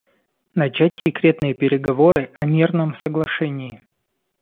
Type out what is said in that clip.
Начать секретные переговоры о мирном соглашении.